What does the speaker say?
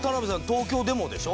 東京でもでしょ？